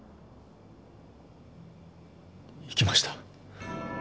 行きました。